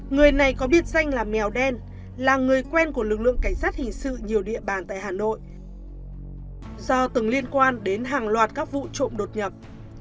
người này có biệt danh là mèo đen là người quen của lực lượng cảnh sát hình sự nhiều địa bàn tại hà nội do từng liên quan đến hàng loạt các vụ trộm đột nhập